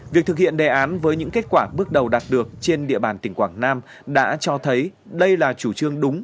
việc thực hiện đề án với những kết quả bước đầu đạt được trên địa bàn tỉnh quảng nam đã cho thấy đây là chủ trương đúng